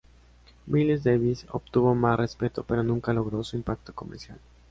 Miles Davis obtuvo más respeto pero nunca logró su impacto comercial.